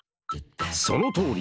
そのとおり！